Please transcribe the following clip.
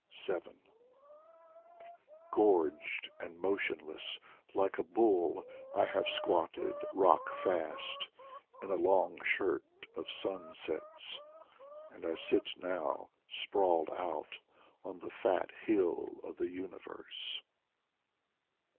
7 Gorged And motionless, Like a bull, I have squatted, rock fast, In a long shirt Of sunsets, And I sit now Sprawled out On the fat hill of the universe.